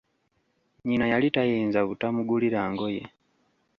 Nyina yali tayinza butamugulira ngoye .